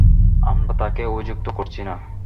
আমরা তাকে অভিযুক্ত করছি না।